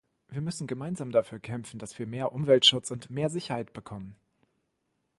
Wir müssen gemeinsam dafür kämpfen, dass wir mehr Umweltschutz und mehr Sicherheit bekommen.